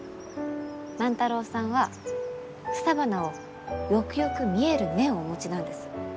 万太郎さんは草花をよくよく見える目をお持ちなんです。